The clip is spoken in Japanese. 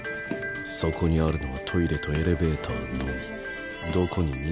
そこにあるのはトイレとエレベーターのみ。